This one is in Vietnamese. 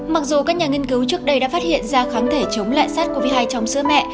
mặc dù các nhà nghiên cứu trước đây đã phát hiện ra kháng thể chống lại sars cov hai trong sữa mẹ